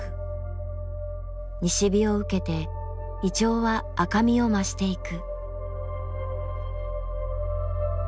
西日を受けて銀杏は赤みを増していく。